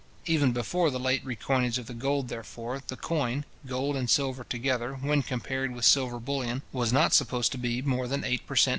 Even before the late recoinage of the gold, therefore, the coin, gold and silver together, when compared with silver bullion, was not supposed to be more than eight per cent.